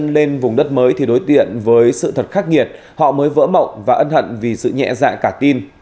khi đặt chân lên vùng đất mới thì đối tiện với sự thật khắc nghiệt họ mới vỡ mộng và ân hận vì sự nhẹ dạng cả tin